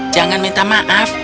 jangan minta maaf